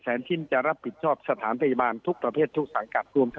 ชิ้นจะรับผิดชอบสถานพยาบาลทุกประเภททุกสังกัดรวม